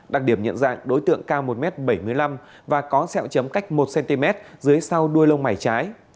đặc điểm nhận dạng đối tượng cao một m bảy mươi năm và có sẹo chấm cách một cm dưới sau đuôi lông mày trái